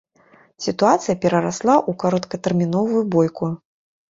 Сітуацыя перарасла ў кароткатэрміновую бойку.